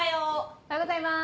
おはようございます。